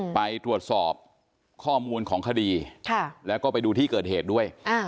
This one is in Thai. ไปตรวจสอบข้อมูลของคดีแล้วก็ไปดูที่เกิดเหตุด้วย